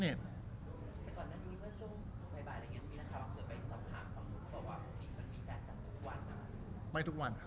แต่ก่อนหน้านี้ว่าช่วงบ่ายบ่ายแบบนี้มีนักข่าวเผื่อไปสอบถามของลูกค้าว่ามีแจกจากทุกวันนะครับ